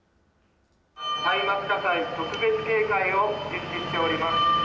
歳末火災特別警戒を実施しております。